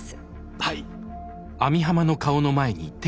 はい。